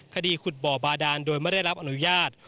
คดีขุดบ่อบาดานโดยไม่ได้รับอนุญาต